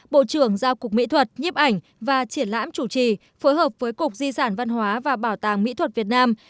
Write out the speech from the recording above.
bộ trưởng giao cục mỹ thuật nhếp ảnh và triển lãm chủ trì phối hợp với cục di sản văn hóa và bảo tàng mỹ thuật việt nam